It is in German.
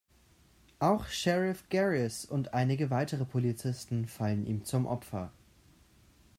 Auch Sheriff Garris und einige weitere Polizisten fallen ihm zum Opfer.